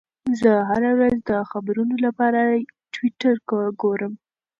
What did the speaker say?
زه هره ورځ د خبرونو لپاره ټویټر ګورم.